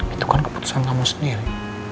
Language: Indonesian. itu kan keputusan kamu sendiri